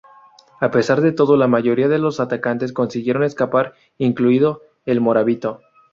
A pesar de todo, la mayoría de los atacantes consiguieron escapar, incluido el morabito.